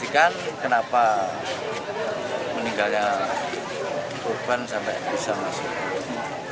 kenapa korban sampai bisa masuk